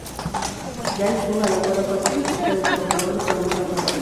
Yang Zhu alabó la fuerza física del trabajador y su amor al trabajo.